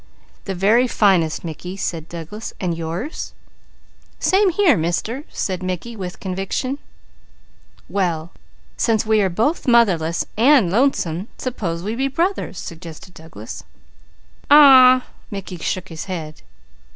"The very finest, Mickey," said Douglas. "And yours?" "Same here, Mister," said Mickey with conviction. "Well since we are both motherless and lonesome, suppose we be brothers!" suggested Douglas. "Aw w w!" Mickey shook his head.